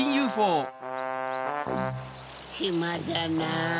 ひまだなぁ。